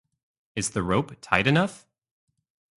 Is the rope tight enough?